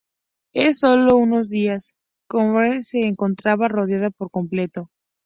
En solo unos días, Copenhague se encontraba rodeada por completo.